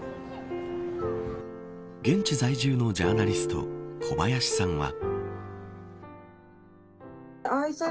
現地在住のジャーナリスト小林さんは。